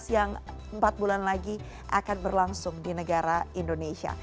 yang empat bulan lagi akan berlangsung di negara indonesia